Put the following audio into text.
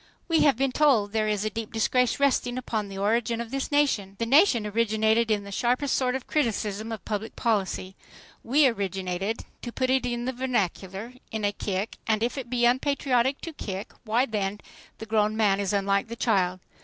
We have been told there is a deep disgrace resting upon the origin of this nation. The nation originated in the sharpest sort of criticism of public policy. We originated, to put it in the vernacular, in a kick, and if it be unpatriotic to kick, why then the grown man is unlike the child.